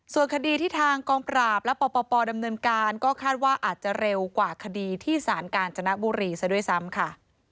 ส่วนคดีที่ทางกองปราบและปปดำเนินการก็คาดว่าอาจจะเร็วกว่าคดีที่สารกาญจนบุรีซะด้วยซ้ำค่ะ